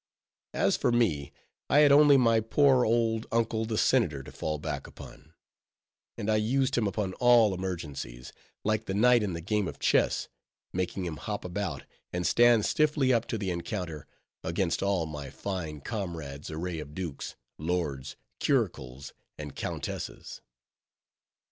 As for me, I had only my poor old uncle the senator to fall back upon; and I used him upon all emergencies, like the knight in the game of chess; making him hop about, and stand stiffly up to the encounter, against all my fine comrade's array of dukes, lords, curricles, and countesses.